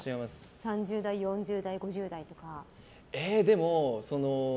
３０代、４０代、５０代とか。